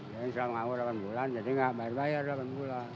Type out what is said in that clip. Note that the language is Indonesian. yang selalu nganggur delapan bulan jadi enggak bayar bayar delapan bulan